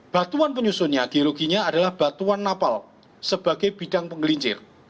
batuan penyusunnya geologinya adalah batuan napal sebagai bidang penggelincir